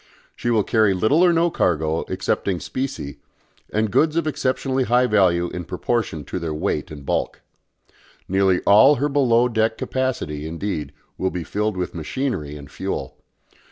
She will carry little or no cargo excepting specie, and goods of exceptionally high value in proportion to their weight and bulk. Nearly all her below deck capacity, indeed, will be filled with machinery and fuel.